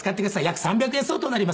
約３００円相当になります。